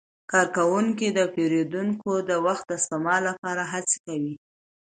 کارکوونکي د پیرودونکو د وخت د سپما لپاره هڅه کوي.